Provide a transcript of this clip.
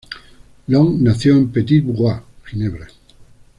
Long nació en Petit-Veyrier, Ginebra.